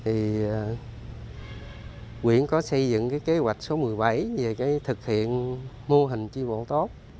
nguyện có xây dựng kế hoạch số một mươi bảy về thực hiện mô hình chi bộ tốt